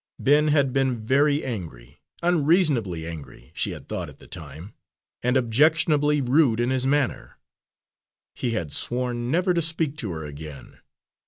Ben had been very angry, unreasonably angry, she had thought at the time, and objectionably rude in his manner. He had sworn never to speak to her again.